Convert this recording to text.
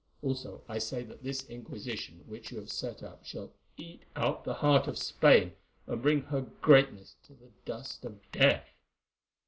Also, I say that this Inquisition which you have set up shall eat out the heart of Spain and bring her greatness to the dust of death.